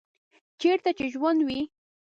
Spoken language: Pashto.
چیرته چې ژوند وي